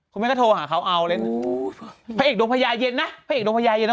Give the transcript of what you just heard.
คุณแม่งก็โทรหาว่าของเขามาเอา